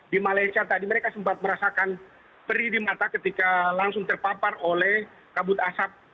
di malaysia tadi mereka sempat merasakan perih di mata ketika langsung terpapar oleh kabut asap